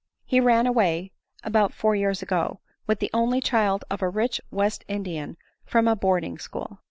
He ran away, about four years ago, with the only child of a rich West Indian from a boarding school.